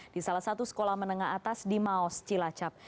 di salah satu sekolah menengah atas di maos cilacap